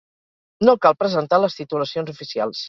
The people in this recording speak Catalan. No cal presentar les titulacions oficials.